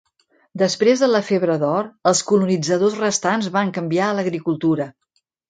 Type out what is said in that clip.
Després de la febre d'or, els colonitzadors restants van canviar a l'agricultura.